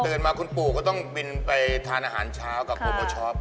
เตือนมาคุณปู่เขาต้องบินไปทานอาหารเช้ากับโปโมช้อป